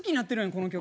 この曲。